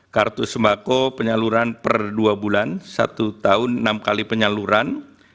kartu sembako penyaluran per dua bulan satu tahun enam kali penyaluran